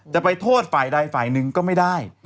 จะไปโทษฝ่ายใดฝ่ายหนึ่งก็ไม่ได้